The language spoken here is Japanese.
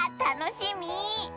たのしみ。